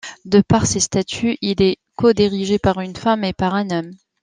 De par ses statuts, il est co-dirigé par une femme et par un homme.